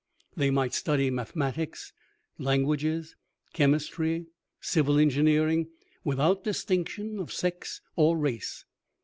They might study mathematics, languages, chemistry, civil engineering, without distinction of sex or race.